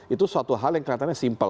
itu suatu hal yang kelihatannya simpel